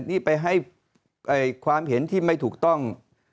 นี่ไปให้ความเห็นที่ไม่ถูกต้อง